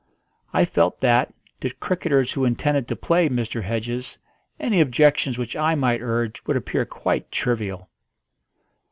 I felt that, to cricketers who intended to play Mr. Hedges, any objections which I might urge would appear quite trivial.